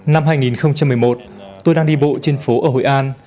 năm hai nghìn một mươi một tôi đang đi bộ trên phố ở hội an